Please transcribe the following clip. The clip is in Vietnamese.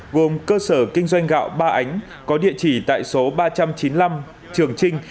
gồm cơ sở kinh doanh gạo ba ánh có địa chỉ tại số ba trăm chín mươi năm trường trinh